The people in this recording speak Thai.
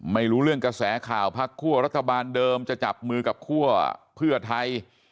ไม่รู้เรื่องกระแสข่าวพักคั่วรัฐบาลเดิมจะจับมือกับคั่วเพื่อไทย